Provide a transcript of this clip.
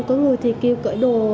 có người thì kêu cởi đồ